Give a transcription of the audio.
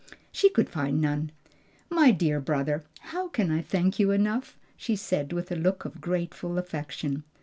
She could find none. "My dear brother, how can I thank you enough?" she said, with a look of grateful affection.